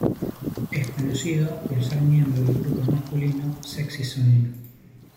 Es conocido por ser miembro del grupo masculino Sexy Zone.